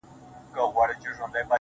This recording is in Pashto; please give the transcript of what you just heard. o ماسومان زموږ وېريږي ورځ تېرېږي.